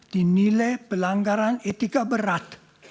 dinilai pelanggaran etika berat